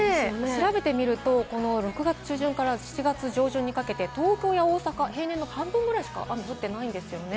調べてみますと６月中旬から下旬にかけて東京や大阪、平年の半分しか雨が降っていないんですよね。